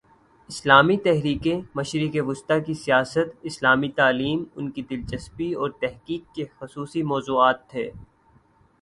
اسلامی تحریکیں، مشرق وسطی کی سیاست، اسلامی تعلیم، ان کی دلچسپی اور تحقیق کے خصوصی موضوعات تھے۔